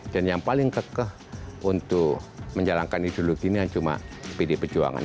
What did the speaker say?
dan yang paling kekeh untuk menjalankan ideologi ini cuma pdi perjuangan